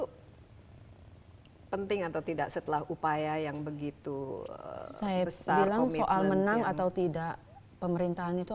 hai penting atau tidak setelah upaya yang begitu saya bilang soal menang atau tidak pemerintahan itu